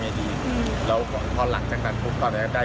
เพิ่งใช้ได้๑ตัวนี่ก็ใจเป้าแล้วจะถ่ายทำอย่างไรดี